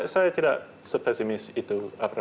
saya tidak se pesimis itu